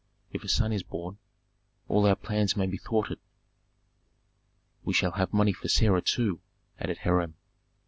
If a son is born, all our plans may be thwarted." "We shall have money for Sarah too," added Hiram.